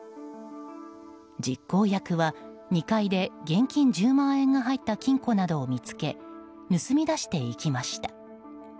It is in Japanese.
実行役は２階で現金１０万円が入った金庫などを見つけ盗み出していきました。